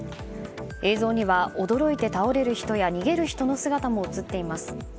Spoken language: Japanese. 映像には、驚いて倒れる人や逃げる人の姿も映っています。